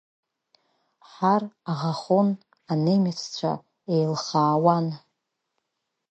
Ҳар аӷахон, анемеццәа еилхаауан.